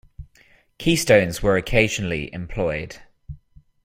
Keystones were occasionally employed.